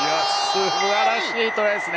素晴らしいトライですね。